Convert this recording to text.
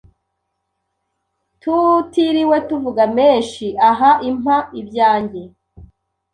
tutiriwe tuvuga menshi aha impa ibyanjye